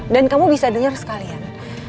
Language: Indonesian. dan kamu bisa dengar sekalian